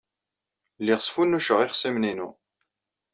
Lliɣ sfunnuceɣ ixṣimen-inu.